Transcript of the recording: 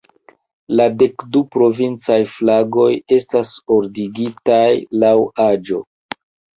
La dek du provincaj flagoj estas ordigitaj laŭ aĝo.